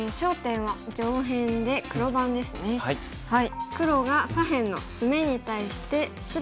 はい。